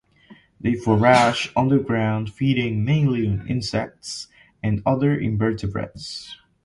They forage on the ground feeding mainly on insects and other invertebrates.